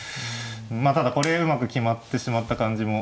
まあただこれうまく決まってしまった感じも。